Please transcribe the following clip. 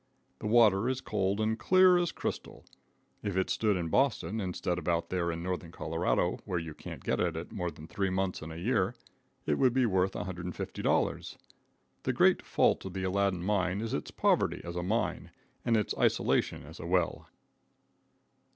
The water is cold and clear as crystal. If it stood in Boston, instead of out there in northern Colorado, where you can't get at it more than three months in the year, it would be worth $150. The great fault of the Aladdin mine is its poverty as a mine, and its isolation as a well.